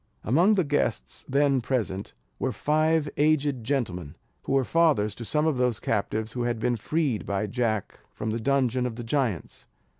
Among the guests then present were five aged gentlemen, who were fathers to some of those captives who had been freed by Jack from the dungeon of the giants.